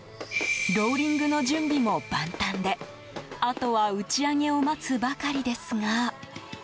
ローリングの準備も万端であとは、打ち上げを待つばかりですが。